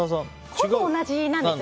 ほぼ同じなんですよ。